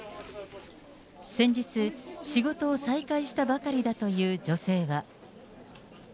先日、仕事を再開したばかりだという女性は。